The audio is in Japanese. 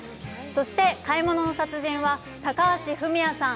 そして「買い物の達人」は高橋文哉さん